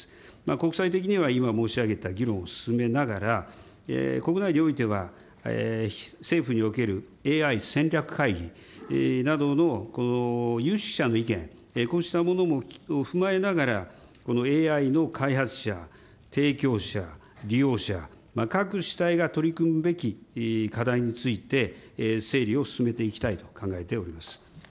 国際的には今申し上げた議論を進めながら、国内においては政府における、ＡＩ戦略会議などのこの有識者の意見、こうしたものも踏まえながら、ＡＩの開発者、提供者、利用者、各主体が取り組むべき課題について、整理を進めていきたいと考えております。